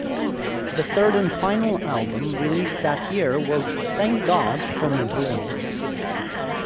The third and final album released that year was "Thank God for Mental Illness".